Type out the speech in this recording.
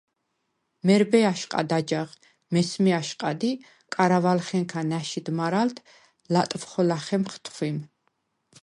მერბე აშყად აჯაღ, მესმე აშყად ი კარავალხენქა ნა̈შიდ მარალდ ლატვხო ლახემხ თხვიმ.